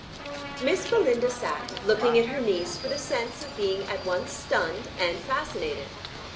Miss Belinda sat, looking at her niece, with a sense of being at once stunned and fascinated.